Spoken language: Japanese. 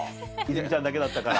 泉ちゃんだけだったから。